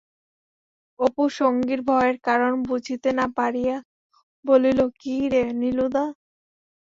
অপু সঙ্গীর ভয়ের কারণ বুঝিতে না পারিয়া বলিল, কি রে নীলুদা?